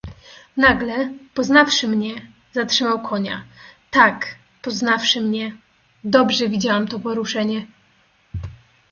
"Nagle, poznawszy mnie, zatrzymał konia, tak, poznawszy mnie... dobrze widziałam to poruszenie."